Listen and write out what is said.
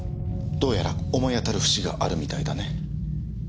どうやら思い当たる節があるみたいだね。